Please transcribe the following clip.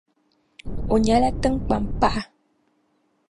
O nyɛla tinkpaŋ paɣa.